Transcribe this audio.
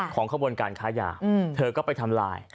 ขบวนการค้ายาเธอก็ไปทำลาย